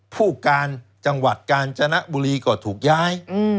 ผู้การจังหวัดกาญจนบุรีก็ถูกย้าย